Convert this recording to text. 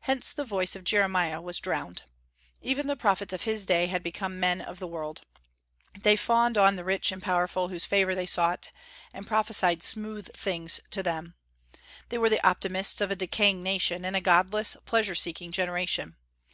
Hence the voice of Jeremiah was drowned. Even the prophets of his day had become men of the world. They fawned on the rich and powerful whose favor they sought, and prophesied "smooth things" to them. They were the optimists of a decaying nation and a godless, pleasure seeking generation.